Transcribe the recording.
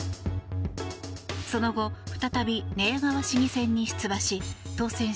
その後、再び寝屋川市議選に出馬し、当選。